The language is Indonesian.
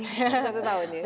satu tahun ya